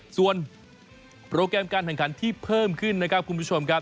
ส่วนโปรแกรมการแข่งขันที่เพิ่มขึ้นนะครับคุณผู้ชมครับ